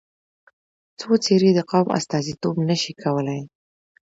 څو څېرې د قوم استازیتوب نه شي کولای.